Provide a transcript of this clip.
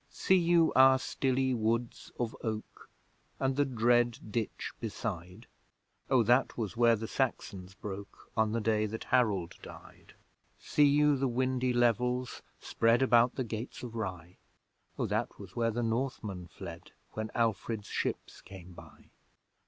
See you our stilly woods of oak, And the dread ditch beside? O that was where the Saxons broke, On the day that Harold died! See you the windy levels spread About the gates of Rye? O that was where the Northmen fled, When Alfred's ships came by!